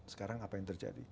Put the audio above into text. sekarang apa yang terjadi